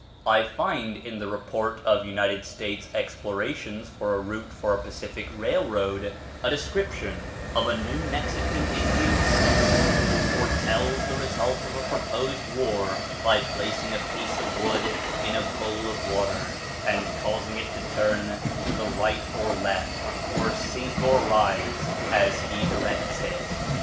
I find in the "Report of United States Explorations for a Route for a Pacific Railroad" a description of a New Mexican Indian priest, who foretells the result of a proposed war by placing a piece of wood in a bowl of water, and causing it to turn to the right or left, or sink or rise, as he directs it.